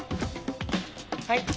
はい。